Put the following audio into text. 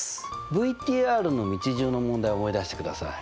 ＶＴＲの道順の問題を思い出してください。